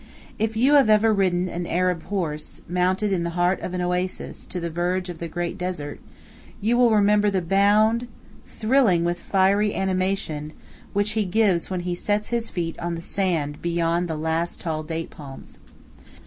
If you have ever ridden an Arab horse, mounted in the heart of an oasis, to the verge of the great desert, you will remember the bound, thrilling with fiery animation, which he gives when he sets his feet on the sand beyond the last tall date palms.